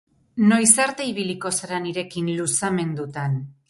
Noiz arte ibiliko zara nirekin luzamendutan?